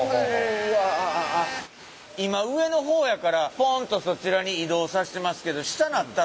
今上の方やからポンとそちらに移動させてますけど下なったら。